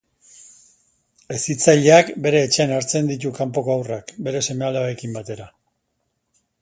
Hezitzaileak bere etxean hartzen ditu kanpoko haurrak bere seme-alabekin batera.